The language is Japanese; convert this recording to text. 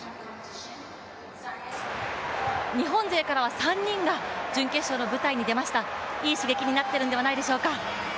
日本勢からは３人が準決勝に進出しましたいい刺激になっているのではないでしょうか。